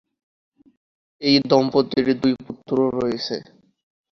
এই দম্পতির দুই পুত্র রয়েছে।